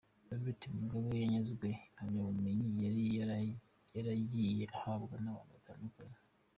Robert Mugabe yanyazwe impamyabumenyi yari yaragiye ahabwa n’abantu batandukanye.